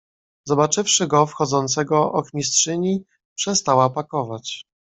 "Zobaczywszy go wchodzącego, ochmistrzyni przestała pakować."